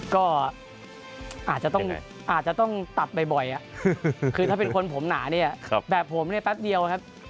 ก็อาจจะต้องตัดบ่อยคือถ้าเป็นคนผมหนาเนี่ยแบบผมเนี่ยแป๊บเดียวครับ